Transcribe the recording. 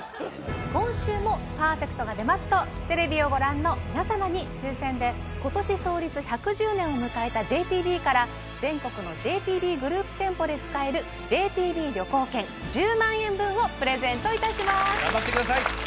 今週もパーフェクトが出ますとテレビをご覧の皆様に抽選で今年創立１１０年を迎えたＪＴＢから全国のＪＴＢグループ店舗で使えるＪＴＢ旅行券１０万円分をプレゼントいたします頑張ってください